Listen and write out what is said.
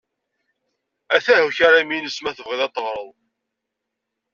Atah ukaram-ines ma tebɣiḍ a t-teɣreḍ.